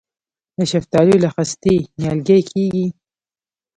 د شفتالو له خستې نیالګی کیږي؟